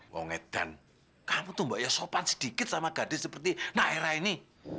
wongedan kamu tuh mbak ya sopan sedikit sama gadis seperti nak era ini